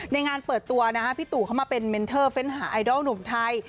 งานเปิดตัวนะฮะพี่ตู่เข้ามาเป็นเมนเทอร์เฟ้นหาไอดอลหนุ่มไทย